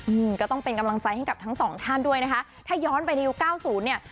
อืมก็ต้องเป็นกำลังใจให้กับทั้งสองท่านด้วยนะคะถ้าย้อนไปในยุคเก้าศูนย์เนี่ย